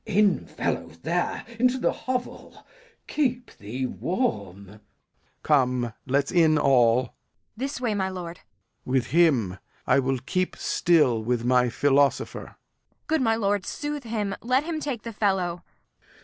Glou. In, fellow, there, into th' hovel; keep thee warm. Lear. Come, let's in all. Kent. This way, my lord. Lear. With him! I will keep still with my philosopher. Kent. Good my lord, soothe him; let him take the fellow.